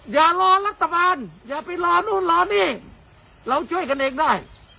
อย่ารอรัฐบาลอย่าไปลานู่นลานี่เราช่วยกันเองได้